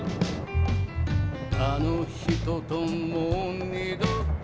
「あの女ともう二度と」